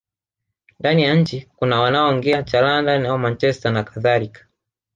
Ndani ya nchi kuna wanaoongea cha London au Manchester nakadhalika